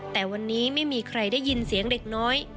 แต่วันนี้ไม่มีใครได้ยินเสียงเด็กน้อย